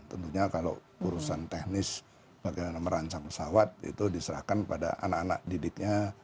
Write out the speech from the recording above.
tentunya kalau urusan teknis bagaimana merancang pesawat itu diserahkan pada anak anak didiknya